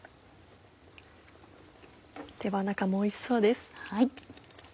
手羽中もおいしそうです。